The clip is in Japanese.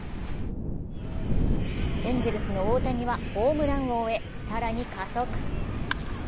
エンゼルスの大谷はホームラン王へ、更に加速。